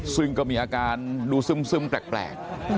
ซึ่งก็มีอาการดูซึมแปลก